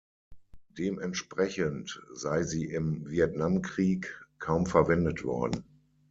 Dementsprechend sei sie im Vietnamkrieg kaum verwendet worden.